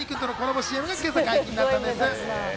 ＣＭが今朝、解禁されたんです。